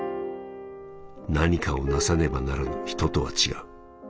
「何かをなさねばならぬ人とは違う」。